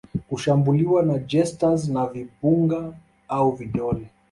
kushambuliwa na jesters na vimbunga au vidole